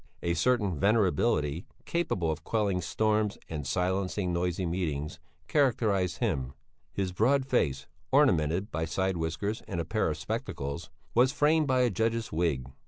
A certain venerability, capable of quelling storms and silencing noisy meetings, characterized him. His broad face, ornamented by side whiskers and a pair of spectacles, was framed by a judge's wig.